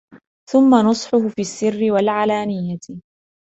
ثُمَّ نُصْحُهُ فِي السِّرِّ وَالْعَلَانِيَةِ